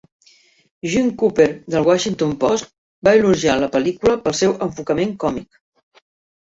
Jeanne Cooper del "The Washington Post" va elogiar la pel·lícula pel seu enfocament còmic.